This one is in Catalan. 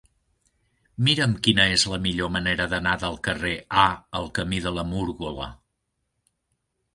Mira'm quina és la millor manera d'anar del carrer A al camí de la Múrgola.